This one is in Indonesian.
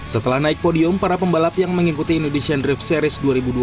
setelah naik podium para pembalap yang mengikuti indonesian drift series dua ribu dua puluh